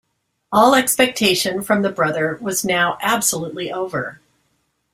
All expectation from the brother was now absolutely over.